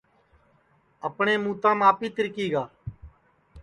اپٹؔیں موتام آپی تِرکی گا